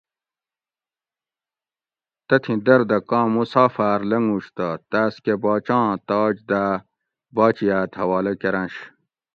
تتھیں در دہ کاں مسافاۤر لنگُوش تہ تاۤس کہ باچاں تاج داۤ باچیاۤت حوالہ کرنش